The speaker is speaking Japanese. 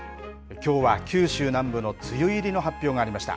きょうは九州南部の梅雨入りの発表がありました。